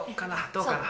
どうかな？